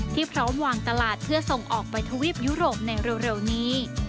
พร้อมวางตลาดเพื่อส่งออกไปทวีปยุโรปในเร็วนี้